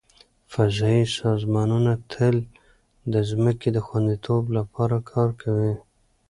فضایي سازمانونه تل د ځمکې د خوندیتوب لپاره کار کوي.